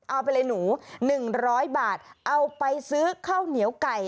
เอาไปเลยหนู๑๐๐บาทเอาไปซื้อข้าวเหนียวไก่